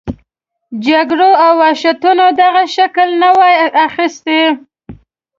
جګړو او وحشتونو دغه شکل نه وای اخیستی.